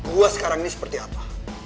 gua sekarang ini seperti apa